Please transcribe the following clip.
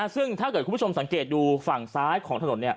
ซึ่งถ้าเกิดคุณผู้ชมสังเกตดูฝั่งซ้ายของถนน